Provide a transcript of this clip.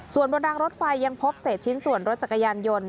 ส่วนบนรางรถไฟยังพบเศษชิ้นส่วนรถจักรยานยนต์